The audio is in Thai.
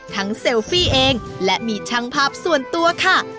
เซลฟี่เองและมีช่างภาพส่วนตัวค่ะ